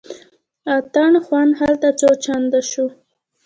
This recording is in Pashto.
اتڼ خوند هلته څو چنده شو.